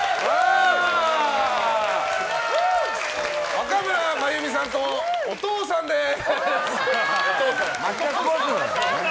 若村麻由美さんとお父さんです！